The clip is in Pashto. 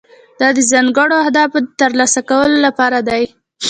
دا د ځانګړو اهدافو د ترلاسه کولو لپاره دی.